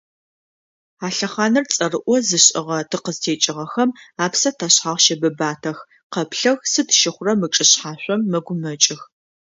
А лъэхъаныр цӏэрыӏо зышӏыгъэхэ тыкъызтекӏыгъэхэм апсэ ташъхьагъ щэбыбатэх, къэплъэх сыд щыхъурэр мы чӏышъхьашъом, мэгумэкӏых.